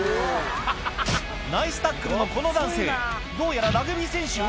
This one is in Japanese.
ナイスタックルのこの男性どうやらラグビー選手？